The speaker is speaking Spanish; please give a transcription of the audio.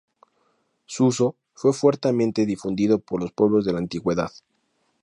Su uso fue fuertemente difundido por los pueblos de la antigüedad.